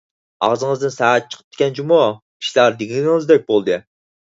ئاغزىڭىزدىن سائەت چىقىپتىكەن جۇمۇ، ئىشلار دېگىنىڭىزدەك بولدى.